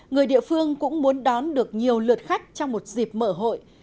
người địa phương cũng muốn đón được nhiều lượt khách trong một dịp mở hội